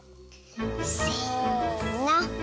せの。